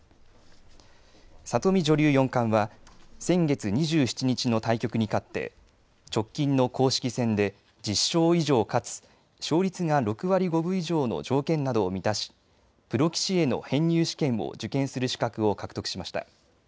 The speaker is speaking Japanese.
里見女流四冠は先月２７日の対局に勝って直近の公式戦で１０勝以上かつ勝率が６割５分以上の条件などを満たし、プロ棋士への編入試験を受験する資格を獲得しました。